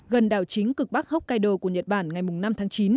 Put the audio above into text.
gần đảo chính cực bắc hokkaido của nhật bản ngày năm tháng chín